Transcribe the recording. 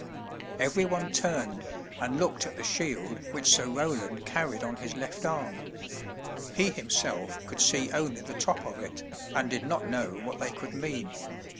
Every one turned and looked at the shield which Sir Roland carried on his left arm. He himself could see only the top of it, and did not know what they could mean.